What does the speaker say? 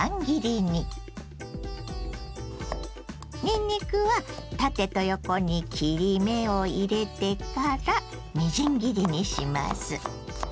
にんにくは縦と横に切り目を入れてからみじん切りにします。